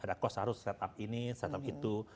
ada cost harus set up ini set up itu